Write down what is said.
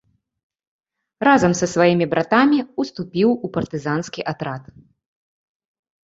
Разам са сваімі братамі ўступіў у партызанскі атрад.